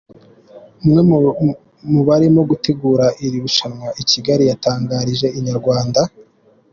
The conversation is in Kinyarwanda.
Umwe mu barimo gutegura iri rushanwa i Kigali yatangarije Inyarwanda.